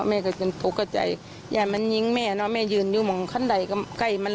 มันก็ม้องละเบื้องทรงมัน